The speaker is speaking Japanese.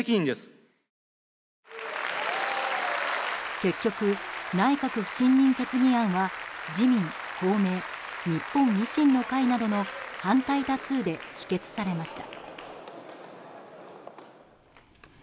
結局、内閣不信任決議案は自民・公明日本維新の会などの反対多数で否決されました。